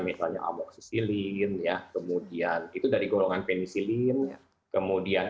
misalnya amoksisilin kemudian itu dari golongan penisilin